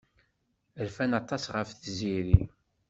Rfan aṭas ɣef Tiziri.